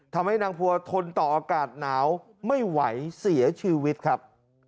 ทำให้นางพัวทนต่ออากาศหนาวไม่ไหวเสียชีวิตครับ